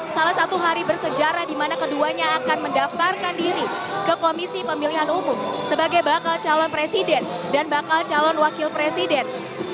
salah satu hari bersejarah di mana keduanya akan mendaftarkan diri ke komisi pemilihan umum sebagai bakal calon presiden dan bakal calon wakil presiden